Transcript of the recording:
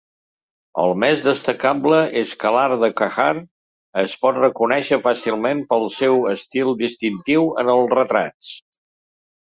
El més destacable és que l"art de Qajar es pot reconèixer fàcilment pel seu estil distintiu en els retrats.